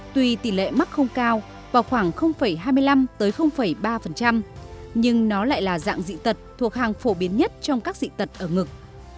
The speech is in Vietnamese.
tùy tỷ lệ mắc không cao vào khoảng hai mươi năm ba nhưng nó lại là dạng dị tật thuộc hàng phổ biến nhất trong các dị tật ở ngực